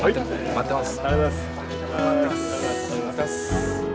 待ってます。